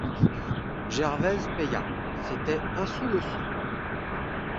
Gervaise paya; c'était un sou le seau.